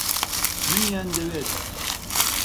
منیان دەوێت.